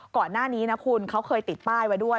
ก่อนหน้านี้นะคุณเขาเคยติดป้ายไว้ด้วย